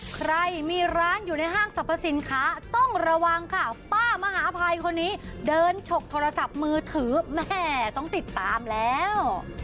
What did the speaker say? ใครมีร้านอยู่ในห้างสรรพสินค้าต้องระวังค่ะป้ามหาภัยคนนี้เดินฉกโทรศัพท์มือถือแม่ต้องติดตามแล้ว